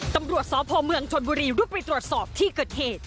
ตำรวจสพเมืองชนบุรีรุดไปตรวจสอบที่เกิดเหตุ